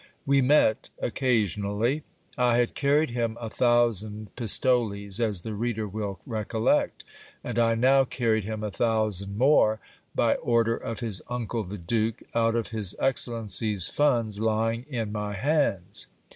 We met occasionally. I had carried him a thousand pistoles, as the reader will recollect ; and I now carried him a thou sand more, by order of his uncle the duke, out of his excellency's funds lying in my hands.